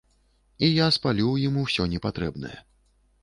І я спалю ў ім усё непатрэбнае.